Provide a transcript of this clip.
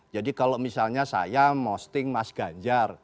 jadi kalau misalnya saya posting mas ganjar